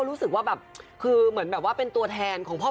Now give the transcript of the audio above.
แล้วคุณผู้ชมคือในไลฟ์สดจะเห็นว่า